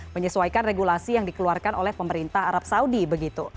menyesuaikan regulasi yang dikeluarkan oleh pemerintah arab saudi begitu